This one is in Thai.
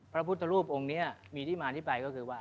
พระพุทธรูปองค์นี้มีที่มาที่ไปก็คือว่า